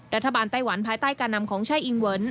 รัฐบาลไต้หวันภายใต้การนำของช่ายอิงเวิร์น